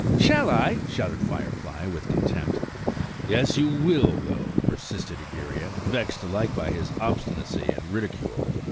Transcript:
"Shall I!" shouted Firefly, with contempt. "Yes, you will though!" persisted Egeria, vexed alike by his obstinacy and ridicule.